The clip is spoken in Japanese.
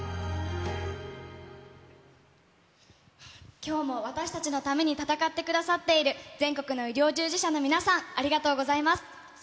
きょうも私たちのために闘ってくださっている全国の医療従事者の皆さん、ありがとうございます。